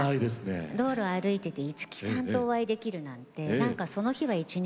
道路を歩いていて五木さんとお会いできるなんてなんかその日は一日